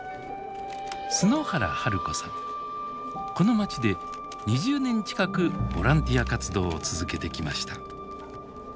この町で２０年近くボランティア活動を続けてきました。